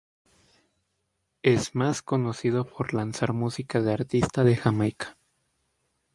Es más conocido por lanzar música de artista de Jamaica.